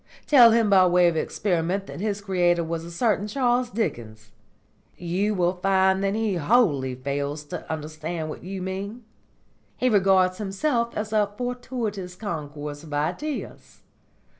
Tell him by way of experiment that his creator was a certain Charles Dickens. You will find that he wholly fails to understand what you mean. He regards himself as a fortuitous concourse of ideas.